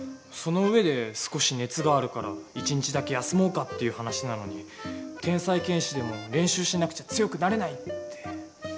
その上で少し熱があるから１日だけ休もうかっていう話なのに「天才剣士でも練習しなくちゃ強くなれない」って。